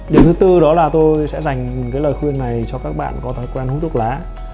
điểm thứ tư đó là tôi sẽ dành cái lời khuyên này cho các bạn có thói quen hút thuốc lá